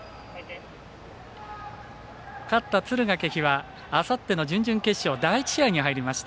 勝った敦賀気比はあさっての準々決勝第１試合に入りました。